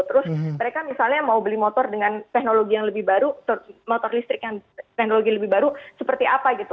terus mereka misalnya mau beli motor dengan teknologi yang lebih baru motor listrik yang teknologi lebih baru seperti apa gitu